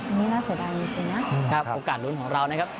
อันนี้น่าเสียดายจริงนะครับโอกาสลุ้นของเรานะครับ